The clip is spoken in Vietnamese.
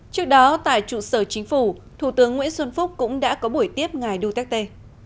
trước đó tại trụ sở chính phủ thủ tướng nguyễn xuân phúc cũng đã có buổi tiếp ngày đu tắc tê